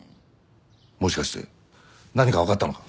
もしかして何か分かったのか？